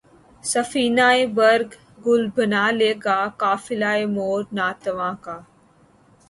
سفینۂ برگ گل بنا لے گا قافلہ مور ناتواں کا